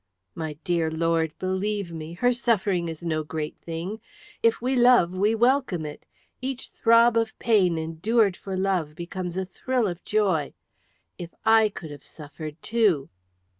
My dear lord, believe me! Her suffering is no great thing. If we love we welcome it! Each throb of pain endured for love becomes a thrill of joy. If I could have suffered too!"